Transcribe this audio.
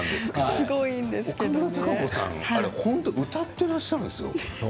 岡村孝子さん、本当に歌っていらっしゃるんですよね。